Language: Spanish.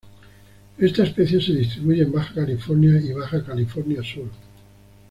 Esta especie se distribuye en Baja California y Baja California Sur.